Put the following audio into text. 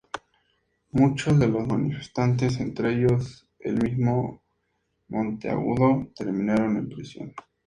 Muchos de los manifestantes, entre ello el mismo Monteagudo, terminaron en prisión.